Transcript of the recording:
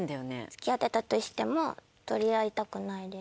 付き合ってたとしても取り合いたくないです。